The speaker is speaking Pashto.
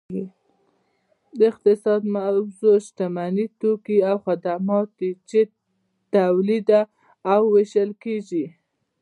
د اقتصاد موضوع شتمني توکي او خدمات دي چې تولید او ویشل کیږي